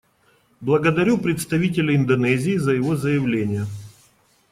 Благодарю представителя Индонезии за его заявление.